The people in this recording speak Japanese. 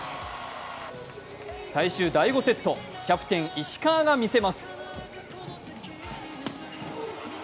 最終第５セット、キャプテン・石川がみせます。